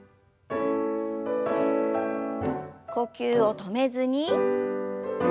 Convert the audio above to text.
呼吸を止めずに。